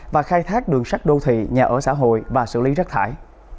và khai thác đường sắt đô thị nhà ở xã hội và xử lý rác thải